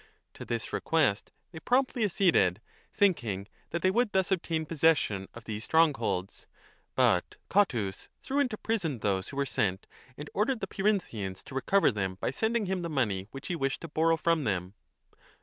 To this request they promptly acceded, thinking that they would thus obtain possession of 30 these strongholds. But Cotys threw into prison those who were sent and ordered the Peirinthians to recover them by sending him the money which he wished to borrow from them.